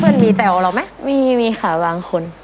เพื่อนมีแต่วเหรอไหมมีค่ะวางคน